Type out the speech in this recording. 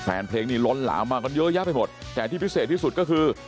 แฟนเพลงนี้ล้นหลามมากันเยอะแยะไปหมดแต่ที่พิเศษที่สุดก็คือ